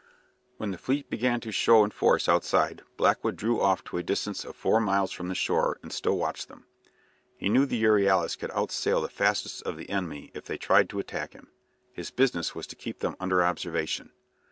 When the fleet began to show in force outside, Blackwood drew off to a distance of four miles from the shore and still watched them. He knew the "Euryalus" could outsail the fastest of the enemy if they tried to attack him. His business was to keep them under observation.